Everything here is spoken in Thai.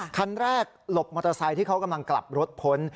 คันแรกหลบมอเตอร์ไซค์ที่เขากำลังกลับรถพ้น